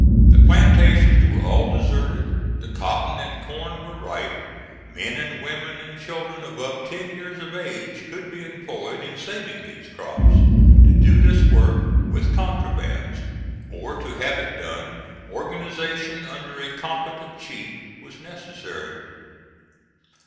The plantations were all deserted; the cotton and corn were ripe: men, women and children above ten years of age could be employed in saving these crops. To do this work with contrabands, or to have it done, organization under a competent chief was necessary.